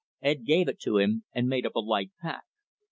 Ed gave it to him and made up a light pack.